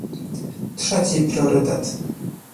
Trzeci priorytet